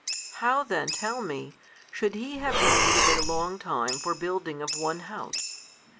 How then, tell me, should He have need of a long time for the building of one house?